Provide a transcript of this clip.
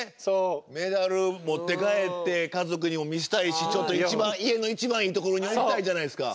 メダル持って帰って家族にも見せたいし家の一番いい所に置きたいじゃないですか。